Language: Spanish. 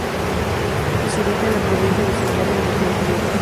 Y se ubica en la provincia de "Sullana", región Piura.